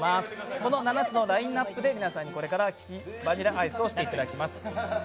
この７つのラインナップで皆さんにこれから利きバニラアイスをしていただきます。